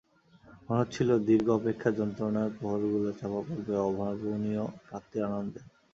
মনে হচ্ছিল, দীর্ঘ অপেক্ষার যন্ত্রণার প্রহরগুলো চাপা পড়বে অভাবনীয় প্রাপ্তির আনন্দে।